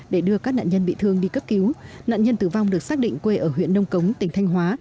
để đưa các nạn nhân bị thương đi cấp cứu nạn nhân tử vong được xác định quê ở huyện nông cống tỉnh thanh hóa